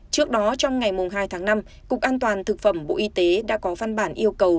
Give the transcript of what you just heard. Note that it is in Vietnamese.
trước đó trong ngày hai tháng năm cục an toàn thực phẩm bộ y tế đã có văn bản yêu cầu